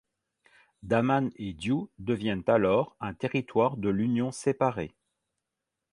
Daman et Diu devient alors un territoire de l'Union séparé.